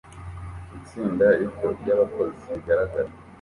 Itsinda rito ryabakozi bigaragara